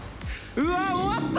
うわ終わった！